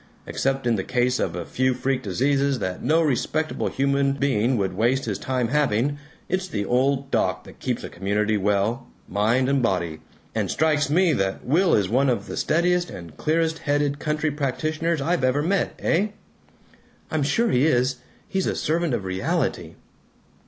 Except in the case of a few freak diseases that no respectable human being would waste his time having, it's the old doc that keeps a community well, mind and body. And strikes me that Will is one of the steadiest and clearest headed counter practitioners I've ever met. Eh?" "I'm sure he is. He's a servant of reality."